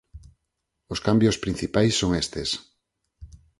Os cambios principais son estes.